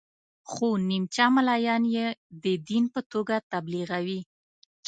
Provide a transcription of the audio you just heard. خو نیمچه ملایان یې د دین په توګه تبلیغوي.